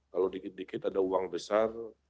kalau dikit dikit ada uang besar